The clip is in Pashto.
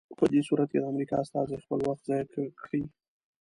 په دې صورت کې د امریکا استازي خپل وخت ضایع کړی.